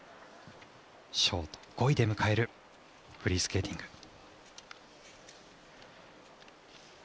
ショート５位で迎えるフリースケーティング。